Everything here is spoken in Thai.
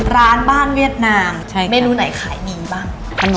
ร้านบ้านเวียดนามเมนูไหนขายมีบ้าง